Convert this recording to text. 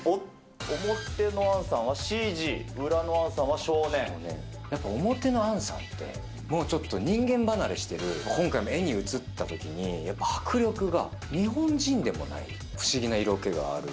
表の杏さんはＣＧ、やっぱ表の杏さんって、もう、ちょっと人間離れしてる、今回も絵に写ったときに、やっぱ迫力が、日本人でもない、不思議な色気がある。